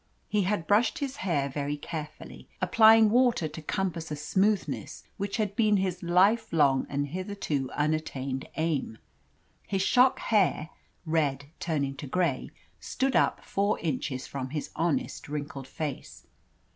He had brushed his hair very carefully, applying water to compass a smoothness which had been his life long and hitherto unattained aim. His shock hair red turning to grey stood up four inches from his honest, wrinkled face.